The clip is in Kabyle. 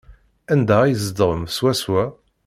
Anda ay tzedɣem swaswa?